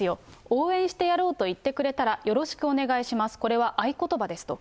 応援してやろうと言ってくれたら、よろしくお願いします、これは合言葉ですと。